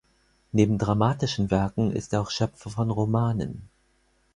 Neben dramatischen Werken ist er auch Schöpfer von Romanen.